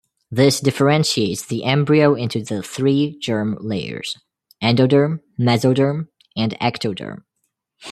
This differentiates the embryo into the three germ layers - endoderm, mesoderm, and ectoderm.